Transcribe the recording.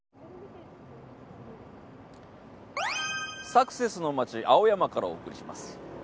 サクセスの街・青山からお送りします。